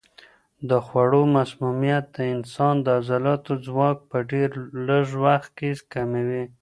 د خوړو مسمومیت د انسان د عضلاتو ځواک په ډېر لږ وخت کې کموي.